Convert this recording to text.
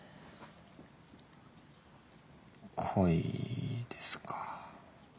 恋ですか。